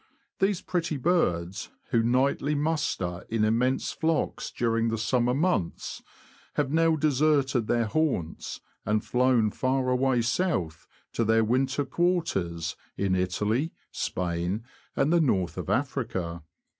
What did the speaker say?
These pretty birds, who nightly muster in immense flocks during the summer months, have now deserted their haunts, and flown far away south, to their winter quarters in Italy, Spain, and the north of Africa.